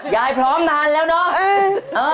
ยายพร้อมนานแล้วเนาะ